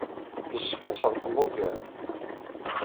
Yessefk ad tḥedqem ugar.